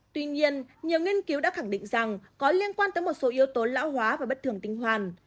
tuy nhiên nhiều nghiên cứu đã khẳng định rằng có liên quan tới một số yếu tố lão hóa và bất thường tinh hoàn